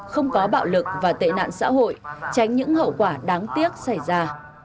không có bạo lực và tệ nạn xã hội tránh những hậu quả đáng tiếc xảy ra